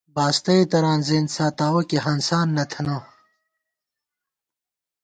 باستَئےتران زِینت ساتاوَہ کی ہانسان نہ تھنہ